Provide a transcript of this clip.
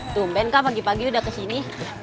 lemen kak pagi pagi udah kesini